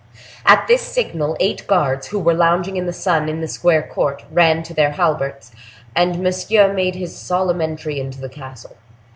At this signal, eight guards, who were lounging in the sun in the square court, ran to their halberts, and Monsieur made his solemn entry into the castle.